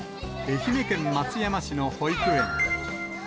愛媛県松山市の保育園。